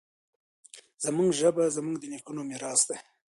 زموږ ژبه زموږ د نیکونو میراث دی.